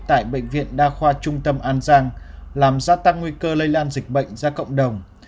tại bệnh viện đa khoa trung tâm an giang làm gia tăng nguy cơ lây lan dịch bệnh ra cộng đồng